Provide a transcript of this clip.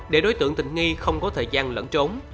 để đối tượng tình nghi không có thời gian lẫn trốn